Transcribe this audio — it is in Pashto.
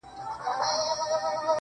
چا ويل چي ستا تر تورو زلفو پرېشان هم يم؟